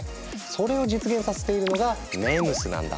それを実現させているのがＭＥＭＳなんだ。